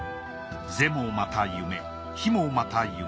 是もまた夢非もまた夢。